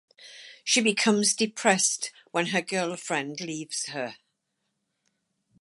She becomes depressed when her girlfriend leaves her.